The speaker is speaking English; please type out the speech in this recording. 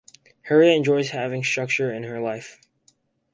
Harriet enjoys having structure in her life.